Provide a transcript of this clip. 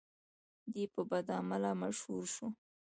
دی په بدعمله مشهور شو.